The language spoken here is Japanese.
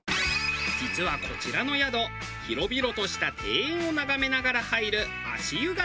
実はこちらの宿広々とした庭園を眺めながら入る足湯が大人気。